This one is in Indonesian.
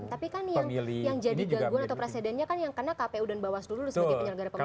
tapi kan yang jadi gagal atau prosedennya kan yang kena kpu dan bawas dulu sebagai penyelenggara pemilu